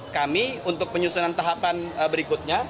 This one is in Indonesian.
kami untuk penyusunan tahapan berikutnya